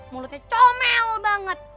mulutnya comel banget